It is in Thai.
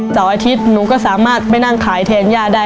เสาร์อาทิตย์หนูก็สามารถไปนั่งขายแทนย่าได้